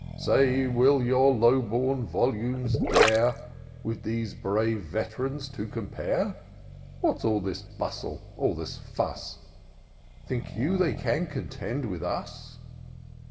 Say, will your low bom volumes dare With these brave vet'rans to compare ? What's all this bustle — all this fuss ? Think you they can contend with us